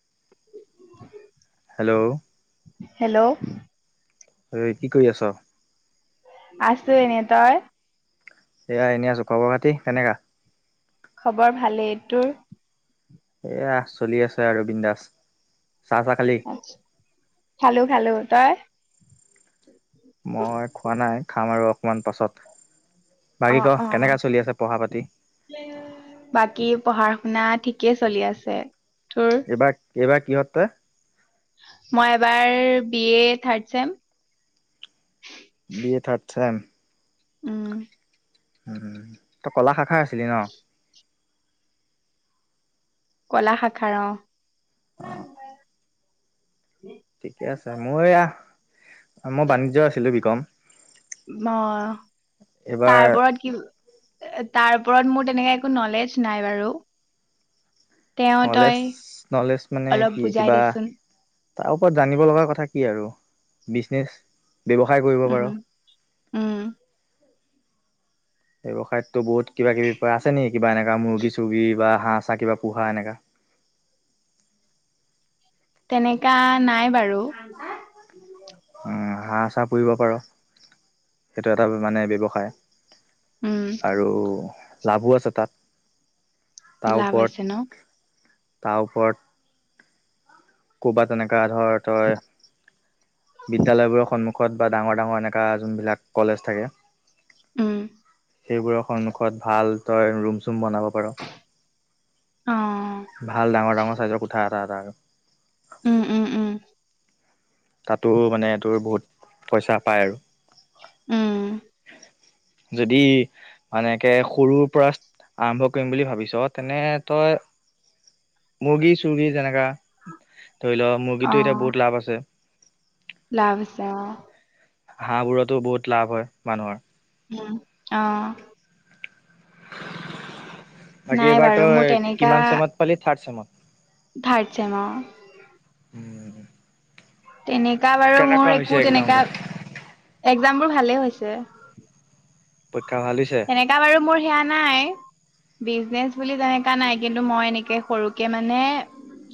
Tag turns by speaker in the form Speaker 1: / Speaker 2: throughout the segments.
Speaker 1: [unintelligible]
Speaker 2: Hello.
Speaker 1: Hello.
Speaker 2: অই কি কৰি আছ?
Speaker 1: আছেনে তাই?
Speaker 2: এয়া এনে আছো, খবৰ খাতি কেনেকা?
Speaker 1: খবৰ ভালেই, টোৰ?
Speaker 2: এয়া চলি আছে আৰু বিন্দাছ।
Speaker 1: খালো খালো। তই?
Speaker 2: মই খোৱা নাই খাম আৰু অকণমান পাছত। বাকী
Speaker 1: অ
Speaker 2: ক
Speaker 1: অ।
Speaker 2: কেনেকা চলি আছে পঢ়া পাতি?
Speaker 1: বাকী। পঢ়া শুনা ঠিকেই চলি আছে। তোৰ
Speaker 2: এবাৰ এইবাৰ কিহত তয়?
Speaker 1: মই এবাৰ B A third sem.
Speaker 2: B A third sem.
Speaker 1: উম।
Speaker 2: হো হো। তই কলা শাখা আছিলি ন?
Speaker 1: কলা শাখাৰ অ।
Speaker 2: অহ। ঠিকে আছে মই এয়া মই বাণিজ্য আছিলো বিকম।
Speaker 1: অ
Speaker 2: এইবাৰ
Speaker 1: তাৰপৰত কি। তাৰ ওপৰত মোৰ তেনেকে একো নলেজ নাই বাৰু। তেওঁ
Speaker 2: নলেজ
Speaker 1: তই
Speaker 2: নলেজ মানে কি
Speaker 1: অলপ
Speaker 2: কিবা
Speaker 1: বুজাই দে চোন
Speaker 2: তাৰ ওপৰত জানিব লগা কথা কি আৰু বিজনেচ
Speaker 1: উম উম
Speaker 2: ব্যৱসায়তো বহুত কিবা কিবি আছে নেকি কিবা এনেকা মুৰ্গী চৰ্গী বা হাঁহ চা কিবা পোহা এনেকা [inaudible]
Speaker 1: তেনেকা নাই বাৰু
Speaker 2: হাঁহ চাহ পুহিব পাৰ সেইটো এটা মানে ব্যৱসায়
Speaker 1: উম
Speaker 2: আৰু লাভো আছে তাত তাৰ
Speaker 1: লাভ
Speaker 2: ওপৰত
Speaker 1: আছে ন
Speaker 2: তাৰ ওপৰত ক'ৰবাত তেনেকা ধৰ তই বিদ্যালয়বোৰৰ সন্মুখত বা ডাঙৰ ডাঙৰ এনেকুৱা যোনবিলাক কলেজ থাকে
Speaker 1: উম
Speaker 2: সেইবোৰৰ সন্মুখত ভাল তই ৰুম চুম বনাব পাৰোঁ
Speaker 1: অ
Speaker 2: ভাল ডাঙৰ ডাঙৰ চাইজৰ কুঠা ডাঙৰ ডাঙৰ কে
Speaker 1: উম উম উম
Speaker 2: তাতো মানে তোৰ বহুত পইচা পায় আৰু
Speaker 1: উম
Speaker 2: যদি মানে সৰুৰ পৰা আৰম্ভ কৰিম বুলি ভাবিছ তেনে তই মুৰ্গী চৰ্গী যেনেকা ধৰি লও মুৰ্গীটো এতিয়া
Speaker 1: অ
Speaker 2: বহুত লাভ আছে
Speaker 1: লাভ আছে অহ
Speaker 2: হাঁহবোৰতো বহুত লাভ হয় মানুহৰ
Speaker 1: উম অহ
Speaker 2: বাকী
Speaker 1: নাই বাৰু
Speaker 2: এইবাৰতো
Speaker 1: মোৰ
Speaker 2: কিমান চেমত পালি থাৰ্ড চেমত
Speaker 1: থাৰ্থ চেম অ
Speaker 2: উম
Speaker 1: তেনেকা বাৰু
Speaker 2: কেনেকুৱা
Speaker 1: মোৰ
Speaker 2: হৈছে
Speaker 1: একো
Speaker 2: এক্জাম
Speaker 1: তেনেকা
Speaker 2: বোৰ
Speaker 1: এক্সাম বোৰ ভালেই হৈছে
Speaker 2: পৰীক্ষা ভাল হৈছে
Speaker 1: তেনেকা বাৰু মোৰ সেয়া নাই বিজনেছ বুলি তেনেককা নাই কিন্তু মই এনেকে সৰুকে মানে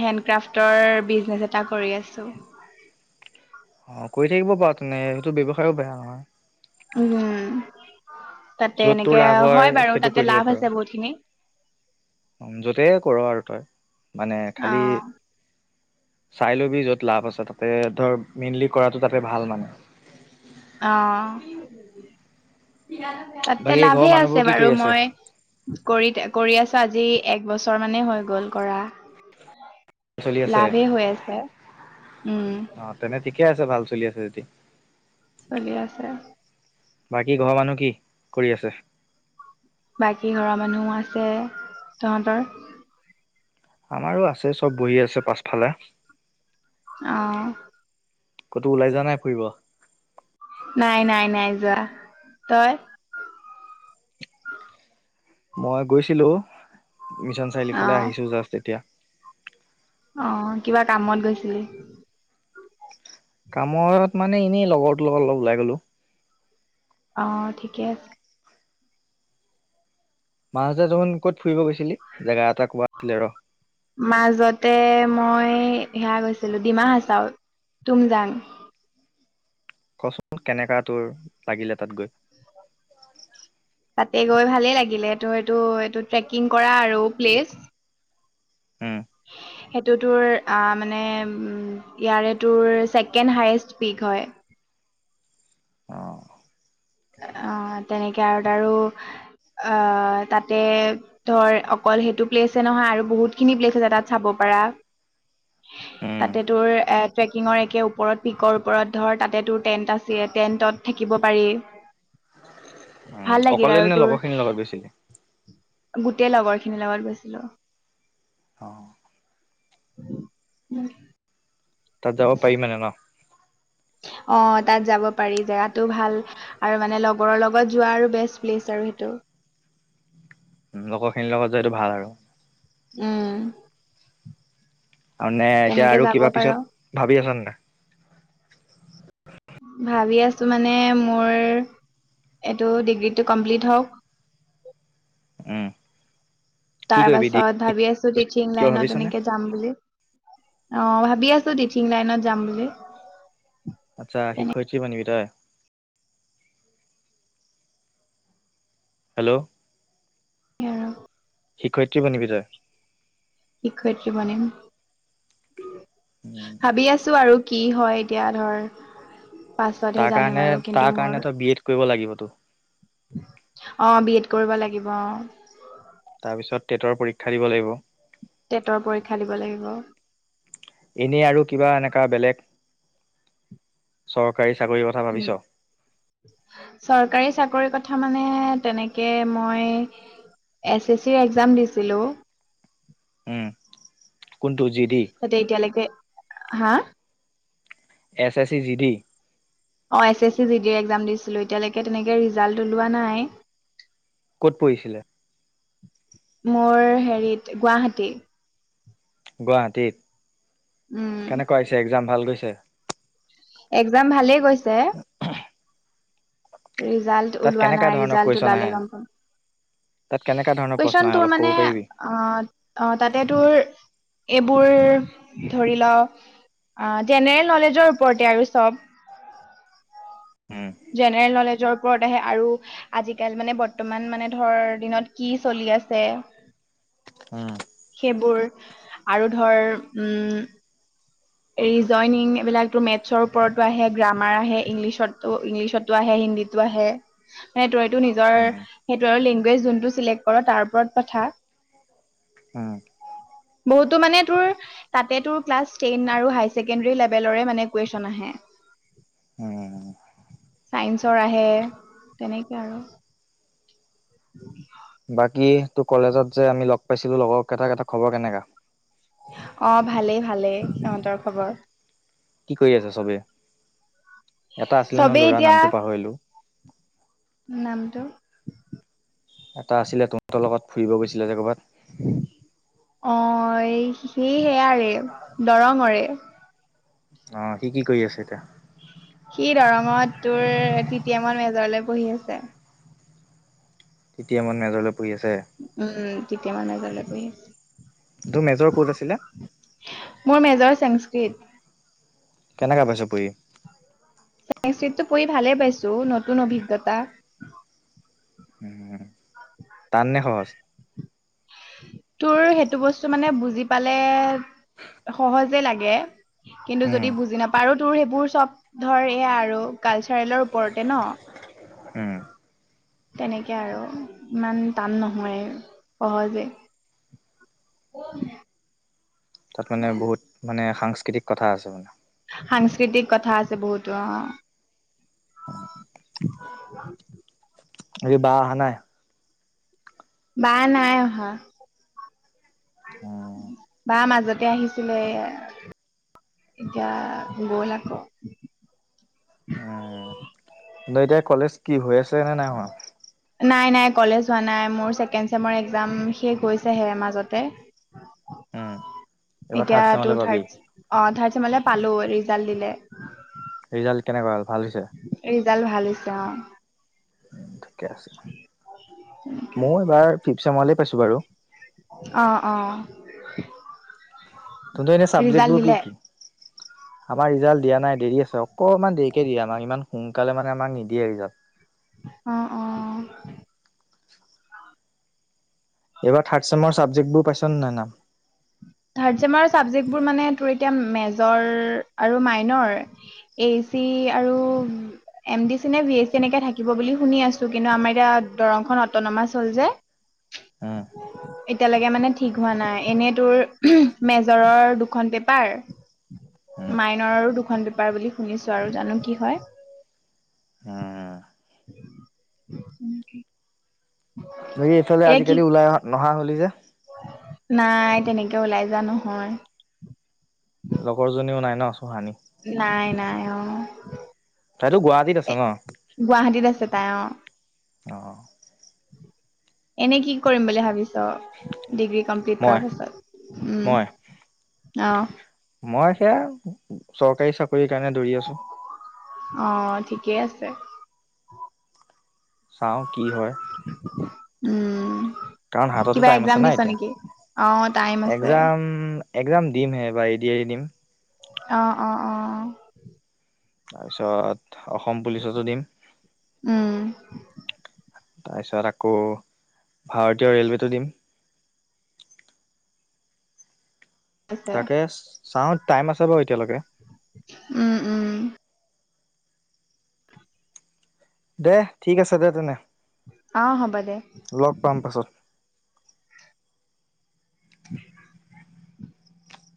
Speaker 1: হেণ্ডক্ৰাফটৰ বিজনেচ এটা কৰি আছো
Speaker 2: অ কৰি থাকিব বাও তেনে সেইটো ব্যৱসায়ো বেয়া নহয়
Speaker 1: উম তাতে
Speaker 2: য'ত তোৰ
Speaker 1: এনেকে
Speaker 2: লাভ
Speaker 1: হয় বাৰু তাতে লাভ আছে বহুত খিনি
Speaker 2: য'তেই কৰ আৰু তই মানে
Speaker 1: অ
Speaker 2: খালী চাই লবি য'ত লাভ আছে তাতে ধৰ মেইনলি কৰাতটো তাতে ভাল মানে
Speaker 1: অ তাতে
Speaker 2: বাকী ঘৰৰ
Speaker 1: লাভেই আছে
Speaker 2: মানুহবোৰ কি কৰি
Speaker 1: বাৰু
Speaker 2: আছে
Speaker 1: মই কৰি কৰি আছো আজি এক বছৰ মানে হৈ গ'ল কৰা
Speaker 2: চলি আছে
Speaker 1: লাভেই হৈ আছে উম
Speaker 2: অ তেনে ঠিকে আছে ভাল চলি আছে যদি
Speaker 1: চলি আছে
Speaker 2: বাকী ঘৰৰ মানুহ কি কৰি আছে
Speaker 1: বাকী ঘৰৰ মানুহো আছে তহঁতৰ
Speaker 2: আমাৰো আছে চব বহি আছে পাছফালে
Speaker 1: আহ
Speaker 2: ক'তো ওলাই যোৱা নাই ফুৰিব
Speaker 1: নাই নাই নাই যোৱা তই
Speaker 2: মই গৈছিলো মিছন চাৰিআলিৰ
Speaker 1: অ
Speaker 2: ফালে আহিছো জাষ্ট এতিয়া
Speaker 1: অ কিবা কামত গৈছিলি
Speaker 2: কামত মানে এনেই লগৰটো লগৰ অলপ ওলাই গলো
Speaker 1: অ ঠিকে আছে
Speaker 2: মাজতে দেখোন ক'ত ফুৰিব গৈছিলি জেগা এটা কোৱা আছিলে ৰ
Speaker 1: মাজতে মই সেয়া গৈছিলো ডিমা হাচাও তুম যাং
Speaker 2: কচোন কেনেকা তোৰ লাগিলে তাত গৈ
Speaker 1: তাতে গৈ ভালেই লাগিলে তটো এইটো এইটো ট্ৰেকিং কৰা আৰু প্লেচ
Speaker 2: [inaudible]
Speaker 1: সেইটো তোৰ অ মানে উ ইয়াৰে তোৰ ছেকেণ্ড হায়েষ্ট পিক হয়
Speaker 2: [inaudible] অ
Speaker 1: অ তেনেকে আৰু তাৰো অ তাতে ধৰ অকল সেইটো প্লেছে নহয় আৰু বহুত খিনি প্লেছ আছে তাত চাব। পাৰা।
Speaker 2: উম
Speaker 1: তাতে তোৰ এ ট্ৰেকিঙৰ একে ওপৰত পিকৰ ওপৰত ধৰ তাতে তোৰ টেন্ট আছিল। টেন্টত থাকিব পাৰি।
Speaker 2: উম
Speaker 1: ভাল লাগিল
Speaker 2: অকলে
Speaker 1: আৰু
Speaker 2: নে লগৰ
Speaker 1: তোৰ।
Speaker 2: খিনিৰ লগত গৈছিলি
Speaker 1: গোটেই লগৰ খিনিৰ লগত গৈছিলো।
Speaker 2: অ।
Speaker 1: উম।
Speaker 2: তাত যাব পাৰি মনে ন।
Speaker 1: অ তাত যাব পাৰি জেগাতো ভাল আৰু মানে লগৰৰ লগত যোৱাৰো বেষ্ট প্লেচ আৰু। আৰু সেইটো।
Speaker 2: লগৰখিনিৰ লগত যোৱাটো ভাল আৰু।
Speaker 1: উম।
Speaker 2: আৰু নে এতিয়া
Speaker 1: তেনেকে
Speaker 2: আৰু
Speaker 1: যাব
Speaker 2: কিবা
Speaker 1: পাৰ
Speaker 2: পিছত ভাবি আছ নে নাই।
Speaker 1: ভাবি আছো মানে মোৰ এইটো ডিগ্ৰীটো কমপ্লিট হওক।
Speaker 2: উ।
Speaker 1: তাৰ পাছত ভাবি আছো টিচিং
Speaker 2: কিবা
Speaker 1: লাইনত
Speaker 2: ভাবিছনে
Speaker 1: এনেকে যাম বুলি। অ ভাবি আছো টিচিং লাইনত যাম বুলি।
Speaker 2: আচ্ছা
Speaker 1: তেনেকে
Speaker 2: শিক্ষতি বনিবি তই। হেল্ল'।
Speaker 1: আৰু
Speaker 2: শিক্ষয়িত্ৰী বনিবি তই।
Speaker 1: শিক্ষয়িত্ৰী মনে
Speaker 2: উম
Speaker 1: ভাবি আছো আৰু। কি হয় এতিয়া ধৰ। পাছতহে
Speaker 2: তাৰ
Speaker 1: জানিম
Speaker 2: কাৰণে
Speaker 1: আৰু কিন্তু
Speaker 2: তাৰ কাৰণে
Speaker 1: মোৰ।
Speaker 2: তই বি এড কৰিব লাগিবতো
Speaker 1: অ বি এড কৰিব লাগিব অ।
Speaker 2: তাৰপিছত টেটৰ পৰীক্ষা দিব লাগিব।
Speaker 1: টেটৰ পৰীক্ষা দিব লাগিব।
Speaker 2: এনে আৰু কিবা এনেকুৱা বেলেগ চৰকাৰ।
Speaker 1: চৰকাৰী চাকৰি কথা। কথা মানে তেনেকে মই। এছ এছ চিৰ এক্জাম দিছিলো।
Speaker 2: হম।
Speaker 1: তাতে এতিয়ালৈকে হা।
Speaker 2: S S C G D.
Speaker 1: অ এ S C G D exam দিছিলো এতিয়ালৈকে তেনেকে ৰিজাল্ট ওলোৱা নাই।
Speaker 2: ক'ত পৰিছিলে।
Speaker 1: মোৰ হেৰিত গুৱাহাটী। উম
Speaker 2: গুৱাহাটীত কেনেকুৱা আহিছে এক্জাম ভাল গৈছে।
Speaker 1: এক্জাম ভালেই গৈছে ৰিজাল্ট
Speaker 2: তাত
Speaker 1: ওলোৱা
Speaker 2: কেনেকা
Speaker 1: নাই
Speaker 2: ধৰণৰ
Speaker 1: ৰিজাল্ট
Speaker 2: কুৱেশন
Speaker 1: ওলালে
Speaker 2: আহে
Speaker 1: গম পাম।
Speaker 2: তাত কেনেকা ধৰণৰ প্ৰশ্ন
Speaker 1: কুৱেশ্যন
Speaker 2: আহে
Speaker 1: তোৰ
Speaker 2: অলপ ক'ব
Speaker 1: মানে,
Speaker 2: পাৰিবি
Speaker 1: অ, অ তাতে তোৰ। এইবোৰ ধৰি লওক জেনেৰেল নলেজৰ ওপৰতে আৰু চব।
Speaker 2: উম,
Speaker 1: জেনেৰেল নলেজ। যৰ ওপৰত আহে। আৰু আজিকাল মানে বৰ্তমান মানে ধৰ দিনত কি চলি আছে।
Speaker 2: হম।
Speaker 1: সেইবোৰ। আৰু ধৰ উম'। ৰিজইনিং এইবলাকো মেথছৰ ওপৰতো আহে গ্ৰামাৰ আহে ইংলিছতো ইংলিছতো আহে। ম তইতো নিজৰ
Speaker 2: উম,
Speaker 1: সেইটো লেংগজ যোনটো চেক্ কৰ তাৰ ওপৰত কথা।
Speaker 2: উম,
Speaker 1: বহুতো মানে তোৰ তাতে তোৰ ক্লাছ টেইন আৰু হাইাৰ ছেকেণ্ডেৰী লেভেলৰে মানে কুৱেশ্যন আহে।
Speaker 2: উম।
Speaker 1: ছাইন্সৰ আহে তেনেকে আৰু। উম।
Speaker 2: বাকী তোৰ কলেজত যে আমি লগ পাইছিলো লগৰ কেইটাৰ এটা খবৰ কেনেকা?
Speaker 1: অ 'ভালেই ভালেই সিহঁতৰ খবৰ।
Speaker 2: কি কৰি আছে চবে? এটা আছিলে ন
Speaker 1: চবেই
Speaker 2: ল'ৰা
Speaker 1: এতিয়া
Speaker 2: নামটো পাহৰিলোঁ।
Speaker 1: নামটো?
Speaker 2: এটা আছিলে তহঁতৰ লগত ফুৰিব গৈছিলে যে ক'ৰবাত।
Speaker 1: অ' সি সেয়াৰে দৰঙৰে।
Speaker 2: অ' সি কি কৰি আছে এতিয়া?
Speaker 1: সি দৰঙত তোৰ টি টি এমত মেজৰলৈ পঢ়ি আছে।
Speaker 2: ইতিহাসত মেজৰ লৈ
Speaker 1: উম, কেতিয়া মানে জালত বহি
Speaker 2: তোৰ মেজৰ ক'ত আছিলে?
Speaker 1: টিত।
Speaker 2: কেনেকে পাইছ পঢ়ি?
Speaker 1: সাংস্কৃতটো পঢ়ি ভালে পাইছো, নতুন অভিজ্ঞতা।
Speaker 2: উম টান নে সহজ?
Speaker 1: তোৰ সেইটো বস্তু মানে বুজি পালে, সহজে লাগে। কিন্তু
Speaker 2: উম
Speaker 1: যদি বুজি নাপাৰো তোৰ সেইবোৰ চব ধৰে আৰু। কালচাৰেলৰ ওপৰতে ন।
Speaker 2: উম
Speaker 1: তেনেকে আৰু ইমান টান নহয়, সহজে। অ।
Speaker 2: তাত মানে বহুত মানে সাংস্কৃতিক কথা আছে মানে।
Speaker 1: সাংস্কৃতিক কথা আছে বহুতো অ'।
Speaker 2: অ।
Speaker 1: [inaudible]
Speaker 2: আজি বা অহা নাই।
Speaker 1: বা নাই অহা।
Speaker 2: উম
Speaker 1: বা মাজতে আহিছিলে। এতিয়া গ'ল আকৌ।
Speaker 2: উম, এতিয়া কলেজ কি হৈ আছে নে নাই হোৱা?
Speaker 1: নাই নাই কলেজ হোৱা নাই মোৰ ছেকেণ্ড চেমৰ একজাম শেষ হৈছেহে মাজতে।
Speaker 2: উম এইবাৰ
Speaker 1: এতিয়া
Speaker 2: থাৰ্ড চেমলে
Speaker 1: তোৰ
Speaker 2: পাবি
Speaker 1: থাৰ্ড অ থাৰ্ড চেমলে পালো ৰিজাল্ট দিলে।
Speaker 2: ৰিজাল্ট কেনেকুৱা হল, ভাল হৈছে?
Speaker 1: ৰিজাল ভাল হৈছে অ।
Speaker 2: ঠিকে আছে, মই এবাৰ ফিফ চেমলে পাইছো বাৰু।
Speaker 1: অ' অ
Speaker 2: তহঁতৰ এনে
Speaker 1: ৰিজাল্ট
Speaker 2: চাবজেক্টবোৰ কি
Speaker 1: দিলে।
Speaker 2: কি [inaudible] আমাৰ ৰিজাল্ট দিয়া নাই দেৰি আছে, অকণমান দেৰিকে দিয়ে আমাক। ইমান সোনকালে মানে আমাক নিদিয়ে ৰিজাল্ট।
Speaker 1: অ অ।
Speaker 2: এইবাৰ থাৰ্ড চেম চাবজেক্টবোৰ পাইছ ন নাই নাম?
Speaker 1: থাৰ্ড চেমৰ চাবজেক্টবোৰ মানে তোৰ এতিয়া মেজৰ আৰু মাইনৰ, এই চি আৰু এম ডি চি নে ভি এ চি এনেকে থাকিব বুলি শুনি আছো, কিন্তু আমাৰ এতিয়া দৰং অটনমাছ হ'ল যে,
Speaker 2: উম,
Speaker 1: এতিয়ালৈকে মানে ঠিক হোৱা নাই। এনেই তোৰ মেজৰৰ দুখন পেপাৰ
Speaker 2: উম,
Speaker 1: মাইনৰৰো দুখন পেপাৰ বুলি শুনিছো আৰু, জানো কি হয়।
Speaker 2: উম।
Speaker 1: ন নেকি [unintelligible]
Speaker 2: বাকি এইফালে আজিকালি ওলাই নহা হলি যে?
Speaker 1: নাই তেনেকে ওলাই যোৱা নহয়।
Speaker 2: লগৰজনীও নাই ন? চহানী।
Speaker 1: নাই নাই অ'।
Speaker 2: তাইতো গুৱাহাটীত
Speaker 1: এ
Speaker 2: আছে ন?
Speaker 1: গুৱাহাটীত আছে তাই অ।
Speaker 2: অ'।
Speaker 1: এনে কি কৰিম বুলি ভাবিছ? ডিগ্ৰী কমপ্লিট
Speaker 2: মই
Speaker 1: কৰাৰ পিছত,
Speaker 2: মই
Speaker 1: উম, অ'।
Speaker 2: মই সেয়া চৰকাৰী চাকৰি কাৰণে দৌৰি আছো।
Speaker 1: অ' ঠিকেই আছে।
Speaker 2: চাওঁ কি হয়!
Speaker 1: উম। কিবা এক্সাম দিছ নেকি? অ টাইম আছে
Speaker 2: এক্সাম, এক্সাম দিমহে এইবাৰ। এ-দি-আৰ-ই দিম।
Speaker 1: অ' অ' অ'।
Speaker 2: তাৰপিছত, অসম পুলিচতো দিম।
Speaker 1: উম
Speaker 2: তাৰপিছত আকৌ ভাৰতীয় ৰে'লৱেটো দিম।
Speaker 1: আছে
Speaker 2: তাকে চাওঁ টাইম আছে বাৰু এতিয়ালৈকে।
Speaker 1: উম উম।
Speaker 2: দে ঠিক আছে, দে তেনে।
Speaker 1: অ' হ'ব দে।
Speaker 2: লগ পাম পাছত। [inaudible]